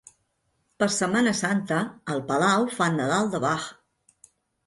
Per Setmana Santa, al Palau fan Nadal de Bach.